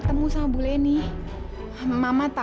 nasi yang blivernya